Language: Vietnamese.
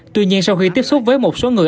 tuy nhiên sau khi tiếp xúc với một số người